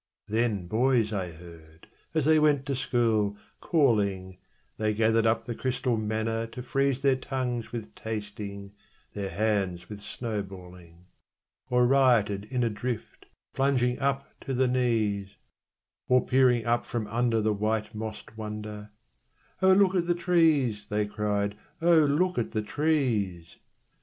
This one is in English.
Then boys I heard, as they went to school, calling, They gathered up the crystal manna to freeze Their tongues with tasting, their hands with snowballing; Or rioted in a drift, plunging up to the knees; Or peering up from under the white mossed wonder, 'O look at the trees!' they cried, 'O look at the trees!'